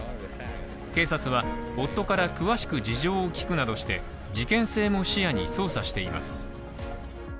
警察は、夫から詳しく事情を聴くなどして、事件性も視野に捜査しています。